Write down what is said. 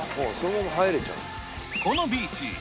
このビーチ